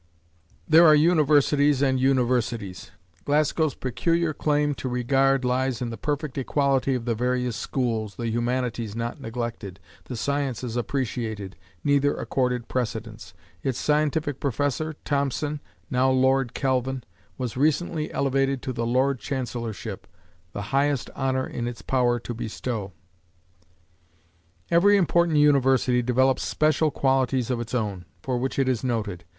There are universities and universities. Glasgow's peculiar claim to regard lies in the perfect equality of the various schools, the humanities not neglected, the sciences appreciated, neither accorded precedence. Its scientific Professor, Thompson, now Lord Kelvin, was recently elevated to the Lord Chancellorship, the highest honor in its power to bestow. Every important university develops special qualities of its own, for which it is noted.